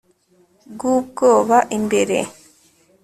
bw'ubwoba imbere